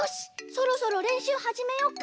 そろそろれんしゅうはじめよっか！